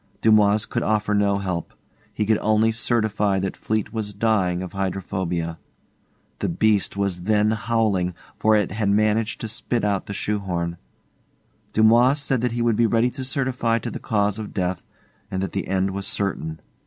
Dumoise could offer no help. He could only certify that Fleete was dying of hydrophobia. The beast was then howling, for it had managed to spit out the shoe horn. Dumoise said that he would be ready to certify to the cause of death, and that the end was certain.